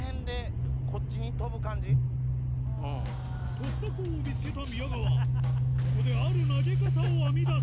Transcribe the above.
突破口を見つけた宮川